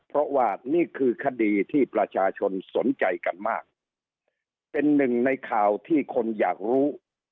เพราะว่านี่คือคดีที่ประชาชนสนใจกันมากเป็นหนึ่งในข่าวที่คนอยากรู้